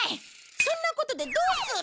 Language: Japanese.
そんなことでどうする！